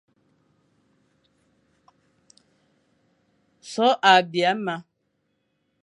So a bîa me,